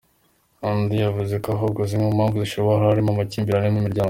Undi yavuze ko ahubwo zimwe mu mpamvu zishoboka harimo amakimbirane yo mu miryango.